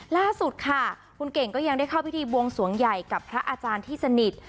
ล่าสุดค่ะคุณเก่งก็ยังได้เข้าพิธีบวงสวงใหญ่กับพระอาจารย์ที่สนิท